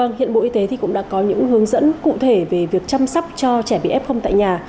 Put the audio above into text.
vâng hiện bộ y tế thì cũng đã có những hướng dẫn cụ thể về việc chăm sóc cho trẻ bị f tại nhà